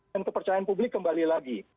dan kepercayaan publik kembali lagi